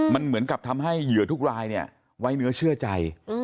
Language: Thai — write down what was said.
มันเหมือนกับทำให้เหยื่อทุกรายเนี่ยไว้เนื้อเชื่อใจ